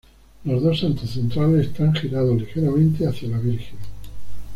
Los dos santos centrales están girados ligeramente hacia la Virgen.